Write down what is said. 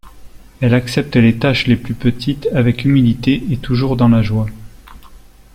Elle accepte les tâches les plus petites avec humilité et toujours dans la joie.